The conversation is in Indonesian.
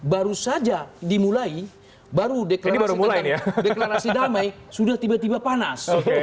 baru saja dimulai baru deklarasi damai sudah tiba tiba panas